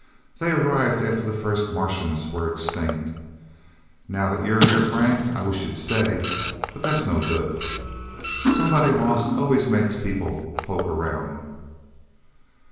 They arrived after the first Martians were extinct. Now that you're here, Frank, I wish you'd stay. But that's no good. Somebody lost always makes people poke around."